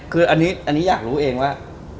คืออันนี้อยากรู้เองว่า